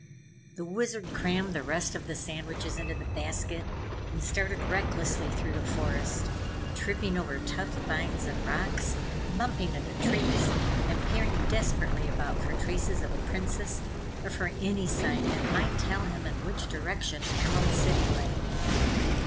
The Wizard crammed the rest of the sandwiches into the basket and started recklessly through the forest, tripping over tough vines and rocks, bumping into trees and peering desperately about for traces of a Princess, or for any sign that might tell him in which direction the Emerald City lay.